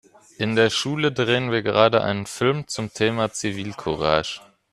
In der Schule drehen wir gerade einen Film zum Thema Zivilcourage.